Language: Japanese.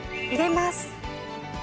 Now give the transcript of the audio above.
入れます。